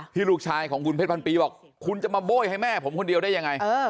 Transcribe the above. ลูกชายของคุณเพชรพันปีบอกคุณจะมาโบ้ยให้แม่ผมคนเดียวได้ยังไง